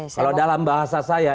kalau dalam bahasa saya